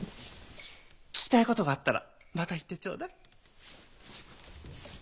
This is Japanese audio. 聞きたい事があったらまた言ってちょうだい。